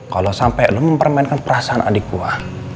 kalau sampai lo mempermainkan perasaan adik gue